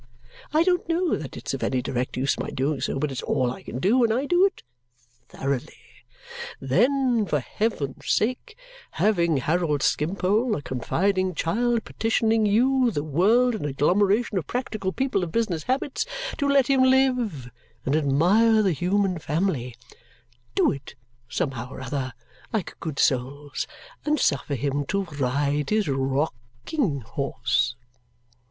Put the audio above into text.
I don't know that it's of any direct use my doing so, but it's all I can do, and I do it thoroughly. Then, for heaven's sake, having Harold Skimpole, a confiding child, petitioning you, the world, an agglomeration of practical people of business habits, to let him live and admire the human family, do it somehow or other, like good souls, and suffer him to ride his rocking horse!"